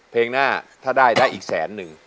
เพลงหน้าถ้าได้ได้อีกแสนนึง